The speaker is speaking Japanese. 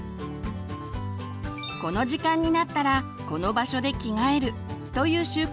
この時間になったらこの場所で着替えるという習慣